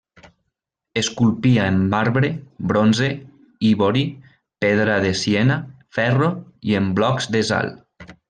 Esculpia en marbre, bronze, ivori, pedra de Siena, ferro i en blocs de sal.